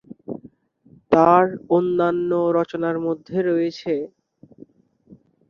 তার অন্যান্য রচনার মধ্যে রয়েছেঃ